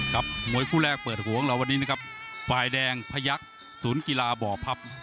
มวยคู่แรกเปิดหัวของเราวันนี้นะครับฝ่ายแดงพยักษ์ศูนย์กีฬาบ่อพับ